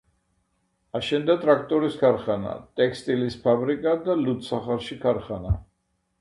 აშენდა ტრაქტორის ქარხანა, ტექსტილის ფაბრიკა და ლუდსახარში ქარხანა.